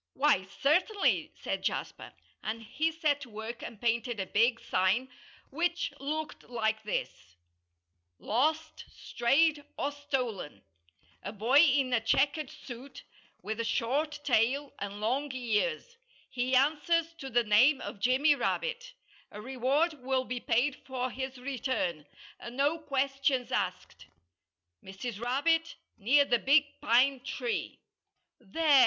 "Why, certainly!" said Jasper. And he set to work and painted a big sign, which looked like this: LOST, STRAYED, OR STOLEN! A boy in a checkered suit, with a short tail and long ears. He answers to the name of Jimmy Rabbit. A reward will be paid for his return, and no questions asked. MRS. RABBIT, Near the Big Pine Tree. "There!"